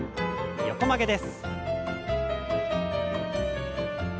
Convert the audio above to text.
横曲げです。